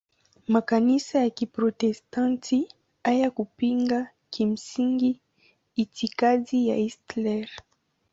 Makanisa ya Kiprotestanti hayakupinga kimsingi itikadi ya Hitler.